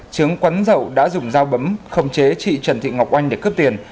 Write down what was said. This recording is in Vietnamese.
chứng quấn dậu đã dùng dao bấm không chế chị trần thị ngọc oanh để cướp tiền